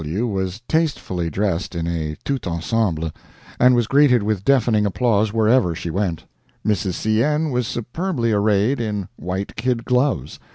G. W. was tastefully dressed in a 'tout ensemble,' and was greeted with deafening applause wherever she went. Mrs. C. N. was superbly arrayed in white kid gloves.